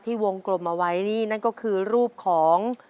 วงกลมเอาไว้นี่นั่นก็คือรูปของ